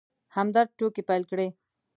همدرد ټوکې پيل کړې.